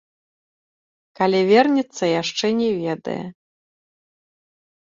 Калі вернецца, яшчэ не ведае.